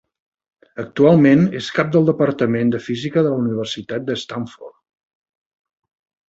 Actualment és cap del Departament de Física de la Universitat de Stanford.